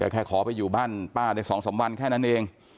แค่ขอไปอยู่บ้านป้าได้๒๓วันแค่นั้นเอง